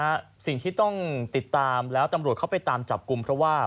ฮะสิ่งที่ต้องติดตามแล้วตำรวจเขาไปตามจับกลุ่มเพราะว่า